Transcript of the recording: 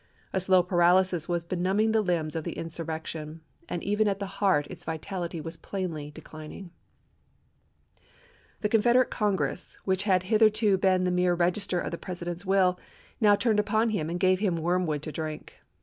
A slow paralysis was benumbing FIVE FORKS 153 the limbs of the insurrection, and even at the heart chap. vni. its vitality was plainly declining. The Confederate Congress, which had hitherto been the mere register of the President's will, now turned upon him and gave him wormwood to drink.